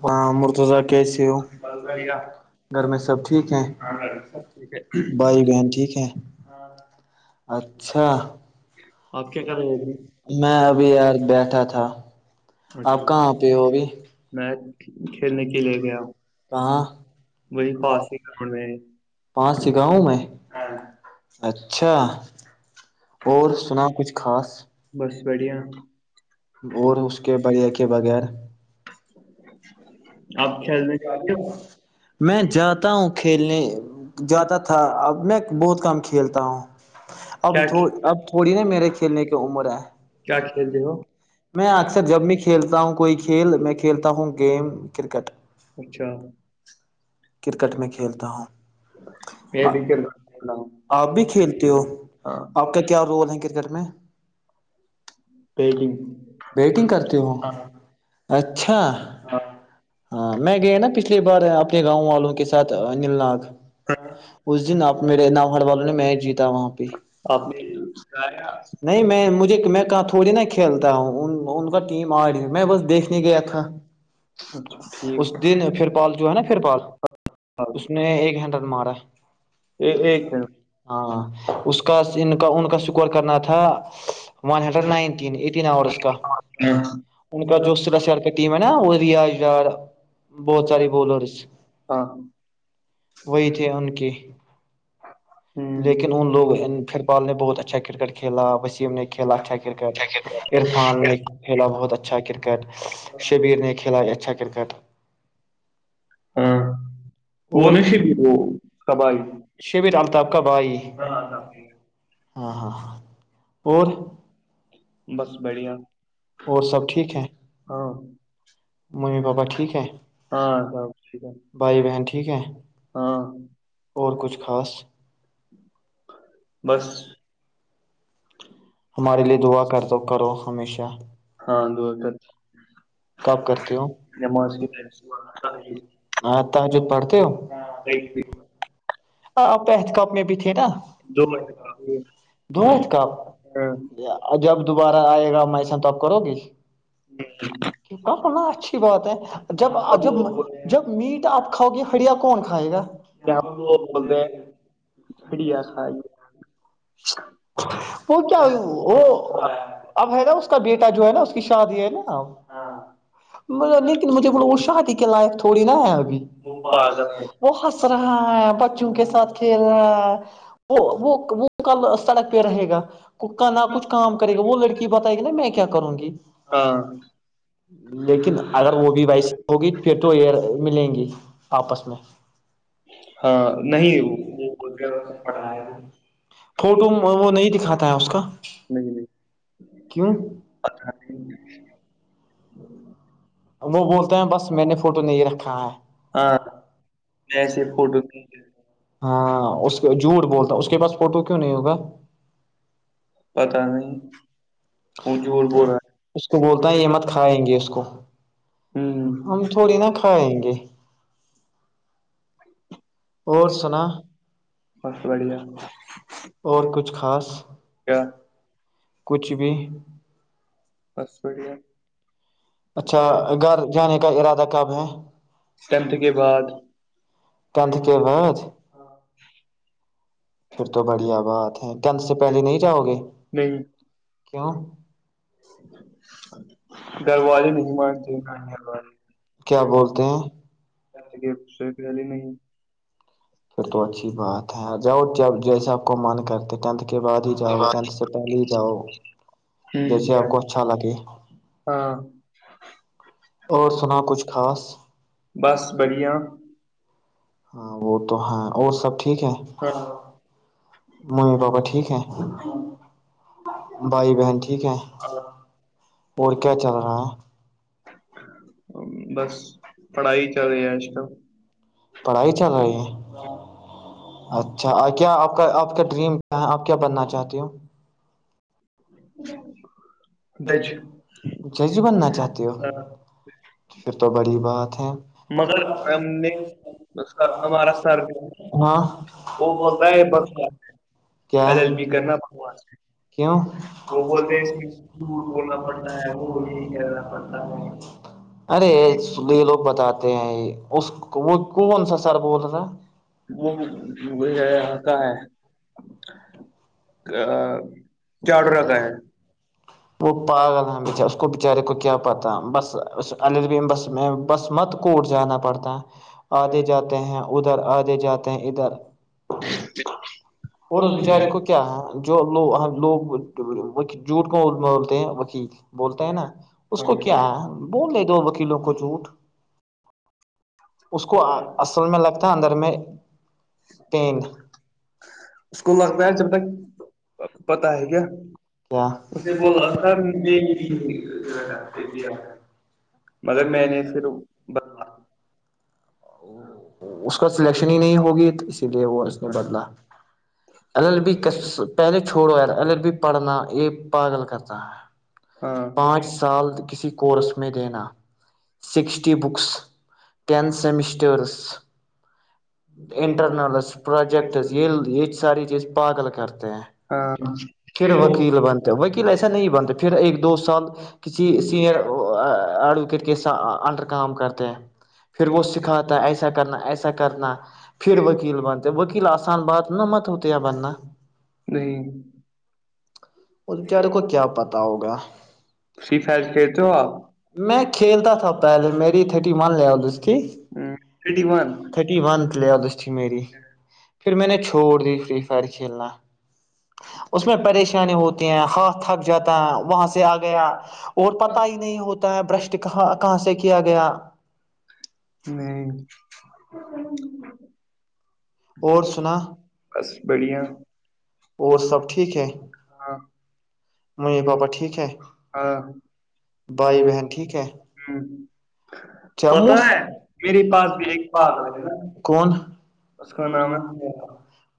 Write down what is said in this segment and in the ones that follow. ہاں مر توذا کیسی ہو بڑھیا گھر میں سب ٹھیک ہے بھائی بہن ٹھیک ہے اچھا آپ کیا کر رہے تھے میں ابھی یار بیٹھا تھا آپ اچھا کہاں پہ ہو ابھی میں کھیلنے کے لیے گیا ہوں کہاں وہی پاس میں پانچ سکھاؤوں میں ہاں، اچھا اور سنا کچھ خاص بس بڑھیا اور اس کے بڑے کے بغیر [unintelligible] کھیلنے جاتے میں ہو؟ جات ہوں کھیلنے جاتا تھا اب میں بہت کم کھیلتا ہوں اب کیا کیا اب تھوڑی نا میرے کھیلنے کی عمر ہے کھیلتے ہو میں اکثر جب بھی کھیلتا ہوں کوئی کھیل میں کھیلتا ہوں گیم کرکٹ اچھا کرکٹ میں کھیلتا ہوں میں بھی کر رہا ہوں آپ بھی کھیلتے ہو ہاں آپ کا کیا رول ہے کرکٹ میں بیجنگ ویٹنگ کرتی ہوں اچھا ہاں میں گیا نہ پچھ بار اپنے گاؤں والوں کے ساتھ نیلناگ اس دن آپ میرے نر والوں نے میچ جیتا وہاں پہ ا نہیں میں مجھے میں کہاں تھوڑی نہ کھیلتا ہوں ان ان کا ٹیم آ رہی میں بس دیکھ گیا تھا اچھا، اس ٹھیک دن پھر پال جو ہے نا پھر پال اس نے ایک ہینڈل مارا اے- ایک منٹ ہاں اس کا ان کا ان کا شکور کرنا تھا ون ہنڈریڈ نن ای آ کا ان کا جو ٹیم ہے نا وہ ریا ار بہت سار بالرس ہاں ہاں وہی تھے ان کے لیکن ان لوگ پھر پال نے بہت اچھا کرکٹ کھیلا وسیم نے کھیلا اچھا کرکٹ عرفان نے کھیلا بہت اچھا کرکٹ شبیر نے کھیلا ہے اچھا کرکٹ ہاں اور بھی وہنشپ وہ کبائی رالتا ائی ہاں ہاں اور بس بڑھیا اور سب ٹھیک ہے ہاں ممی پاپا ٹھیک ہے ہاں سب ٹھیک بھائی ہے بہن ٹھیک ہے ہاں اور کچھ خاص بس ہمارے لیے دعا کر دو کرو ہمیشہ ہاں لور گ کب کرتی ہو کی ہ تجب پڑھتے ہو جی جی ہاں آپ احتکاب میں بھی تھے نا دو منٹ. دو احتکاب ہاں اور جب دوبارہ آئے گا م ایسا تو اپ کرو گی کہ ہونا اچھی بات ہے جب اب جب جب میٹ آپ کھاؤ گے ہڑیا کون کھائے گا ہڑیا [inaudible] وہ کیا وہ اب ہے نا اس کا بیٹا جو ہے نا اس کی شادی ہے نا لیکن مجھے ب اوشاتی کہ لائق تھوڑی نہ ہے ابھی پاگل ہے وہ ہس رہا ہے چوں کے ساتھ کھیل رہا وہ وہ وہ کل سڑک پہ رہے گا کک نہ کچھ کام کرے گا وہ لڑکی بتائے گی نا میں کیا کروں گی ہاں لیکن اگر وہ بھی ویسی ہوگی پھر تو ایئر ملیں گی آپس میں ہاں نہیں وہ سے پڑھا ہے [inaudible] وہ فوٹو وہ نہیں دکھاتا ہے اس کا کیوں ا [inaudible] وہ بولتے ہیں بس میں نے فوٹو نہیں رکھا ہے ہاں ایسے فوٹو ہاں اس جھوٹ بولتاوں اس کے پاس فوٹو کیوں نہیں ہوگا پتا نہیں وہ جھوٹ بول رہا اس کو بولتا ہے ہممت کھائیں گے اس کو ہم ہوں تھوڑی نا کھائیں گے اور سر سنا خس پڑ گ [inaudible] اور کچھ خاص کیا کچھ بھی بس بڑیا اچھا گھر جانے کا ارادہ کب ہے اسمتھ کے بعد [inaudible] ینت کے بت [unintelligible] پھر تو بڑھیا بات ہے ٹینتھ سے پہلے نہیں جاؤ گے کیوں [inaudible] گلواریے نہیں مانتے [unintelligible] کیا بولتے ہیں سو پ جلی نہیں [inaudible] پھر تو اچھی بات ہے جاؤ ج جیسا آپ کو من کرتے ٹینتھ کے بعد ہی جاؤ ٹینتھ سے پہلے ہی جاؤ جیسے ہ آپ کو اچھا لگے ہاں اور سنا کچھ خاص ب بس بڑھیا ہاں وہ تو ہاں اور سب ٹھیک ہے ہاں ممی پاپا ٹھیک ہے بھائی بہن ٹھیک ہے اور کیا چل رہا ہے بس پڑھائی چل رہی ہے آج کل پڑھائی چل رہی ہے اچھا کیا آپ کا آپ کا ڈریم کیا ہے آپ کیا بننا چاہتی ہو دچ [inaudible] ججی بننا چاہتی ہو پھر تو بڑی بات ہے مگر ہم نے ہما ہمارا سر ہاں وہ بول رہا ہے [inaudible] کیا ایل ایل بی کرنا بکواس کیوں وہ بولتے د ہونا پڑتا ہے وہ بھی کرنا پڑتا ہے [inaudible] ارے یہ لوگ بتاتے ہیں اس وہ کون سا سر بول رہا وہاں کا ہے [inaudible] کا ہے وہ پاگ تھا بیچ [inaudible] بچارے کو کیا پتا بس ع بھی بس میں بس مت کوٹ جانا پڑتا [inaudible] آھے جاتے ہیں ادھر آھے جاتے ہیں ادھر [inaudible] اور اس بیچارے کو کیا جو لوگ لوگ جھوٹ کو بولتے ہیں وکیل بولتے ہیں نا اس کو کیا بول دے دو وکیلوں کو جھوٹ اس کو ال فل میں لگتا ہے اندر میں پین کیا اس کو لگتا ہے ج [inaudible] [inaudible] اس کو لگتا ہے، کییا [unintelligible] مگر میں نے پھر بوا [unintelligible] اس کا سلیکشن ہی نہیں ہوگی اسی لیے وہ اس نے بدلا اللب پہلے چھوڑو اللب پڑھنا یہ پاگل کرتا ہے ہاں پانچ ہاں سال کسی کورس میں دینا سکسٹی بکس ٹینس س سمسٹس اٹنس پوجٹس ہیں ساری چیز پاگل کرتے ہیں پھر وکیل بنتے ہیں وکیل ایسا نہیں بنتے پھر ایک دو سال کسی سینئر ایڈوکیٹ کے ساتھ انڈر کام کرتے ہیں پھر وہ سکھاتا ایسا کرنا ایسا کرنا پھر وکیل بنتا وکیل آسان بات نہ مت ہوتے بننا نہیں اور کیاارے کو کیا پتا ہوگا فری فائر کھیلتے ہو آپ میں کھیلتا تھا پہلے میری تھرٹی ون لیول ہ ای ون [unintelligible] تھرٹی ون پلیرس تھی میری پھر میں نے چھوڑ دی تھری فر کھیلنا اس میں پریشانی ہوتی ہیں ہاتھ تھک جاتا ہے وہاں سے آگے گیا اور پتا ہی نہیں ہوتا ہے برشٹ کہاں کہاں سے کیا گیا نہیں اور [unintelligible] بس بڑھیا اور سب ٹھیک ہے ہاں ممی پاپا ہ ٹھیک ہے ہاں ہ [unintelligible] جموں پاس بھی ایک پاگل ہے کون اس کا نام ہے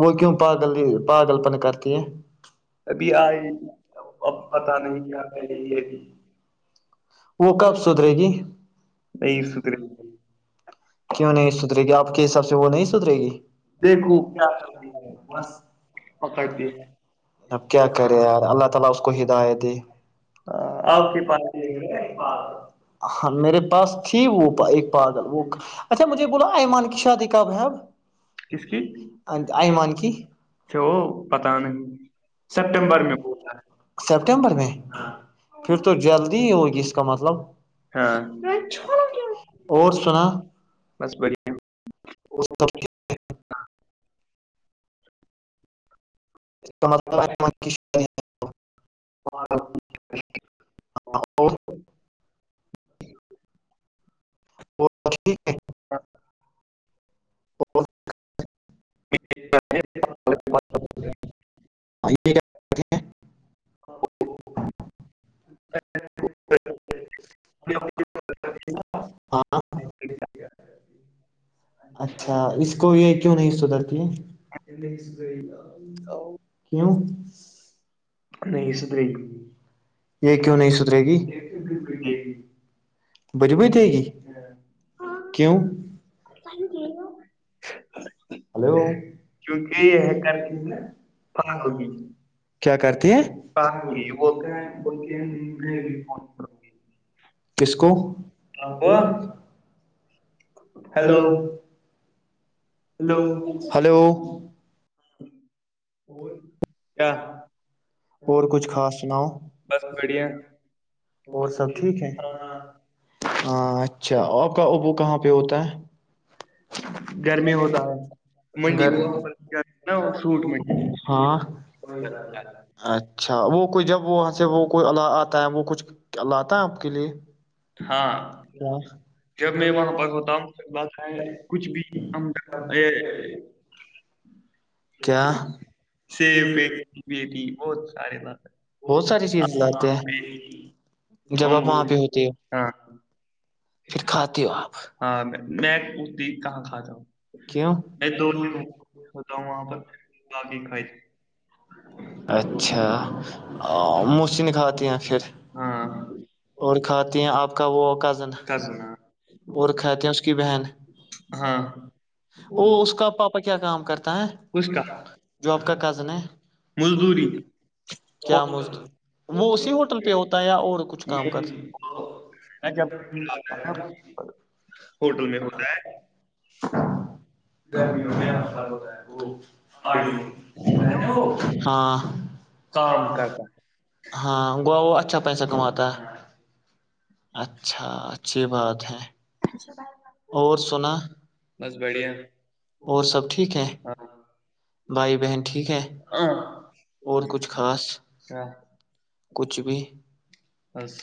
وہ کیوں پاگل پاگل پن کرتی ہے ابھی آ آئے اب پپ کا پتا نم نہیں کی آ کیا ہے لےبھی وہ کب سدھرے گیے گی نہیں سدھرے کیوں نہیں سدے گی آپ کے حساب سے وہ نہیں سدرے گی دیکھو کیا کرتی ہے بس اور کرتی ہے اب کیا کریں اللہ تعالی اس کو ہدایت دی ہاں، آپ کے پاس ہاں میرے پاس تھی وہ ایک پاگل وہ ہوں [unintelligible] اچھا مجھے بوولو ایمان کی شادی کب ہے کس اب ایمان کی چ وہ پتا نہیں سل ب ب ہے سپٹمبر میں [unintelligible] [inaudible] سپٹمبر میں پھر تو جلدی ہی ہوگی اس کا مطلب ہاں اور سنا بس بڑ اس سب اس مطلب [inaudible] وہ س ٹھیک ہے وہ [inaudible] ہاں اچھا اس کو یہ کیوں نہیں سدرتی کیوں نہیں سدھرے یہ کیوں نہیں سدرے گی بریبئی تے گی ہاں کیوں ک کہ ن [unintelligible] [inaudible] ہلو کرنا ہوگی کیا کرتی ہیں یہ وہ بتی ہیں کس کو آپ کو ہوا، ہیلو ہیلو ہلو اور اور کچھ خاص سناؤ بس اور سب ٹھیک ہے ہاں، ہاں اچھا آپ کا اوبو کہاں پہ ہوتا ہے گرمی ہوتا ہے منڈی گھر ہوا پر کیا نا وہ فروٹ منڈی ہاں وغیرہ ہوتا اچھا وہ کوئی جب وہاں سے وہ کوئی آتا ہے وہ کچھ کیا ل آتا ہے آپ کے لیے ہاں کیا جب میں وہاں پر ہوتا ہوں کچھ بھی کیا سیب بی بہت سارے لات بہت ساری چیز لاتے ہیں جب آپ وہاں انگور پہ ہوتے ہو ہاں پھر کھاتے ہو آپ ہاں میں میں پتی کہاں کھاتا ہوں کیوں دو ہوتا ہوں وہاں پر باقی کھائی اچھا موسین کھاتی ہیں پھر ہاں اور کھاتے ہیں آپ کا وہ کزن کزنا اور کتے ہیں اس کی بہن ہاں وہ اس کا پاپا کیا کام کرتا اس ہے کا جواب کا کزن ہے مزدوری کیا مج وہ یہ اسی ہوٹل پہ ہوتا ہے یا اور کچھ کام کرتی نا جب ہوٹل میں ہوتا ہے گرمی ہو میں س ہوتا ہے وہ ہاں کام کرتا ہاں گوا وہ اچھا پیسہ کماتا ہے اچھا اچھی بات ہے ہے، اور سنا بس بڑھیا اور سب ٹھیک ہے ہاں بھائی بہن ٹھیک ہے اور کچھ خاص ہاں کچھ بھی بس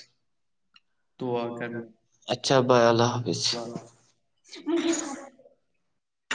دعا کرنا اچھا بائے اللہ حافظ [inaudible]